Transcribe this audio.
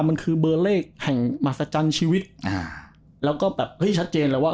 มันคือเบอร์เลขแห่งมหัศจรรย์ชีวิตอ่าแล้วก็แบบเฮ้ยชัดเจนเลยว่า